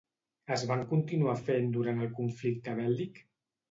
Es van continuar fent durant el conflicte bèl·lic?